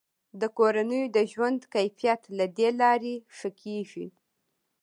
د کورنیو د ژوند کیفیت له دې لارې ښه کیږي.